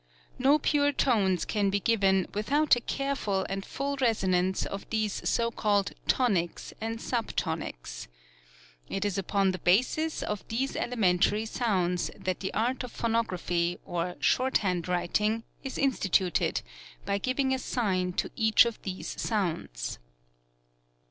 No pure tones can be given without a careful and full resonance of these so called tonics and sub tonic3. It is upon the basis of these elementary sounds that the art of phonography, or short hand writing, is instituted, by giving a sign to each of these sounds.